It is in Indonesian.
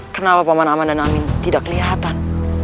kenapa paman aman dan amin tidak kelihatan